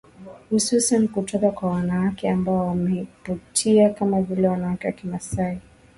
Hususani kutoka kwa wanawake ambao wameupitia kama vile wanawake wa kimasai mwanaharakati Agnes Pareiyo